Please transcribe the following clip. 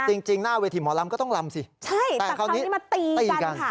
จริงหน้าเวทีหมอลำก็ต้องลำสิใช่แต่คราวนี้มาตีตีกัน